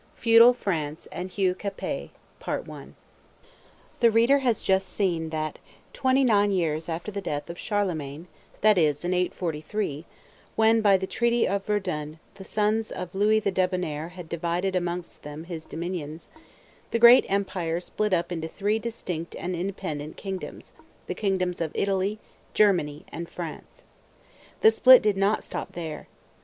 FEUDAL FRANCE AND HUGH CAPET. The reader has just seen that, twenty nine years after the death of Charlemagne, that is, in 843, when, by the treaty of Verdun, the sons of Louis the Debonnair had divided amongst them his dominions, the great empire split up into three distinct and independent kingdoms the kingdoms of Italy, Germany, and France. The split did not stop there.